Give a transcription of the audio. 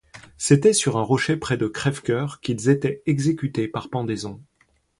C'était sur un rocher près de Crèvecœur qu'ils étaient exécutés par pendaison.